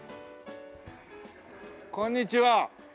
こんにちは。